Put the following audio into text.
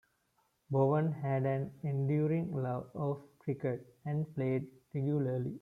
Bowen had an enduring love of cricket, and played regularly.